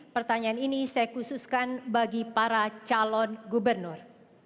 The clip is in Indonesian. pertanyaan ini saya khususkan bagi para calon gubernur